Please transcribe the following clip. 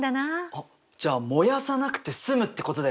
あっじゃあ燃やさなくて済むってことだよね。